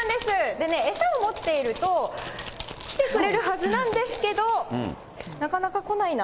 でね、餌を持っていると来てくれるはずなんですけど、なかなか来ないな。